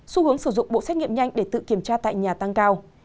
xu hướng sử dụng bộ xét nghiệm nhanh để tự kiểm tra tại nhà tăng cao